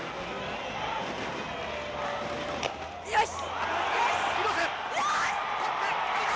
よし！